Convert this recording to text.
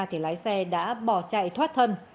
thì lái xe đã bỏ chạy thoát thân